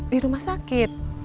di rumah sakit